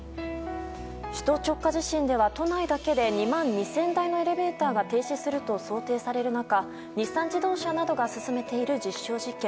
首都直下地震では都内だけで２万２０００台のエレベーターが停止すると想定される中日産自動車などが進めている実証実験。